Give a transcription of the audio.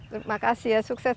terima kasih ya sukses